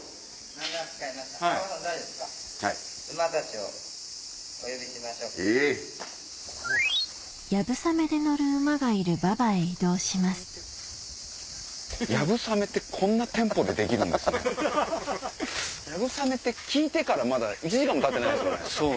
流鏑馬って聞いてから１時間もたってないですよね。